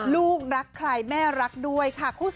ลูกลักใครแม่รักด้วย